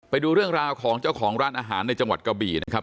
ไปดูเรื่องราวของเจ้าของร้านอาหารในจังหวัดกะบี่นะครับ